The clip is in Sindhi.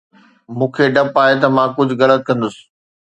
مون کي ڊپ آهي ته مان ڪجهه غلط ڪندس